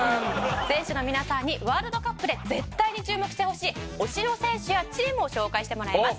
選手の皆さんにワールドカップで絶対に注目してほしい推しの選手やチームを紹介してもらいます。